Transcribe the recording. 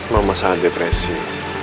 mama sangat depresi